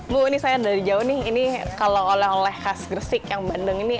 bu ini saya dari jauh nih ini kalau oleh oleh khas gresik yang bandeng ini